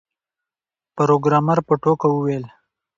پروګرامر په ټوکه وویل